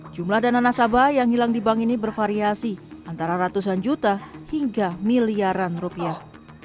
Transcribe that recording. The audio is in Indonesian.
jumlah dana nasabah yang hilang di bank ini bervariasi antara ratusan juta hingga miliaran rupiah